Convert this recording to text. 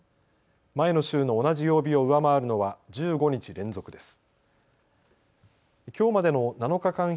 前の週の同じ曜日を上回るのは１５日連続です。